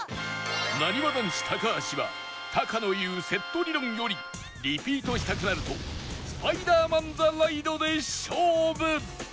なにわ男子高橋はタカの言うセット理論よりリピートしたくなるとスパイダーマン・ザ・ライドで勝負